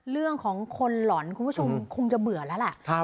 เรื่องของคนหล่อนคุณผู้ชมคงจะเบื่อแล้วแหละ